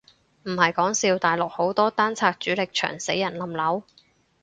唔係講笑，大陸好多單拆主力牆死人冧樓？